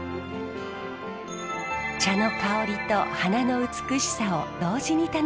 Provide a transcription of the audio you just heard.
茶の香りと花の美しさを同時に楽しめるアートです。